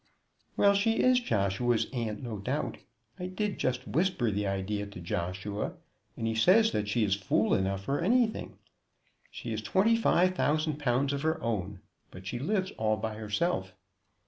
"Well; she is Joshua's aunt, no doubt. I did just whisper the idea to Joshua, and he says that she is fool enough for anything. She has twenty five thousand pounds of her own, but she lives all by herself."